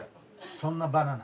そんなバナナ。